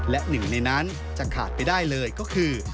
และหนึ่งในนั้นจะขาดไปได้เลยก็คือ